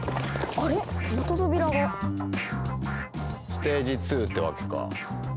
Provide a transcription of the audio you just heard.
ステージ２ってわけか。